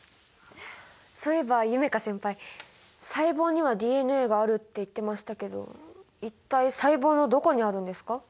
そういえば夢叶先輩「細胞にはＤＮＡがある」って言ってましたけど一体細胞のどこにあるんですか？